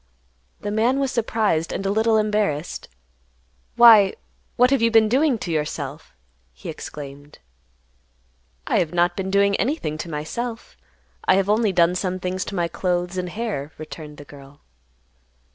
The man was surprised and a little embarrassed. "Why, what have you been doing to yourself?" he exclaimed. "I have not been doing anything to myself. I have only done some things to my clothes and hair," returned the girl.